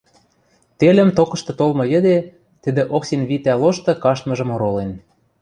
Телӹм токышты толмы йӹде тӹдӹ Оксин витӓ лошты каштмыжым оролен